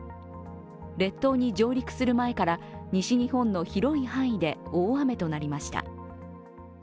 列島に上陸する前から西日本の広い範囲で大雨となりました。